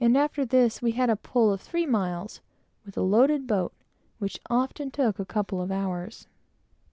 Then, too, we had a long pull of three miles, with a loaded boat, which often took a couple of hours.